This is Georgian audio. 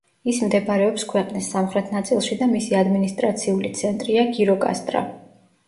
ის მდებარეობს ქვეყნის სამხრეთ ნაწილში და მისი ადმინისტრაციული ცენტრია გიროკასტრა.